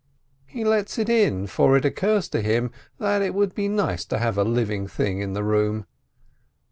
He lets it in, for it occurs to him that it would be nice to have a living tiling in the room.